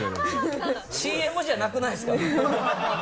ＣＭじゃなくないですか？